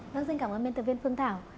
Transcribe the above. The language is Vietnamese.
cảm ơn biên tập viên phương thảo